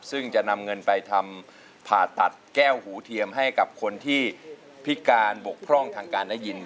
ซึ่งจะนำเงินไปทำผ่าตัดแก้วหูเทียมให้กับคนที่พิการบกพร่องทางการได้ยิน